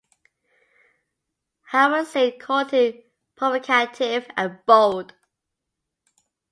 Howard Zinn called him 'provocative and bold.